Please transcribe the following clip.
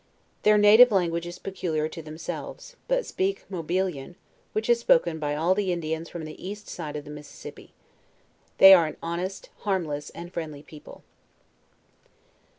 Their native language is peculiar to themselves,, but speak Hobiliau 154 JOURNAL OF which is spoken by all the Indians from the east side of the Mississippi. They are an honest, harmless, and friendly people.